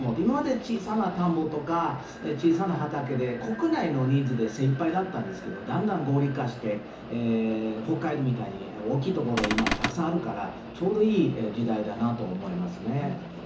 今まで小さな田んぼとか小さな畑で、国内のニーズで精いっぱいだったんですけどだんだん合理化して北海道みたいに大きいところが今たくさんあるからちょうどいい時代だなと思いますね。